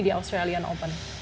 di australian open